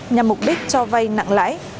nhằm mục đích cho vay nặng lãi